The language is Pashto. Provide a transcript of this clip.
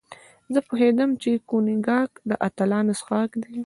زه پوهېږم چې کونیګاک د اتلانو څښاک دی.